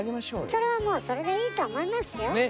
それはもうそれでいいと思いますよ。ね！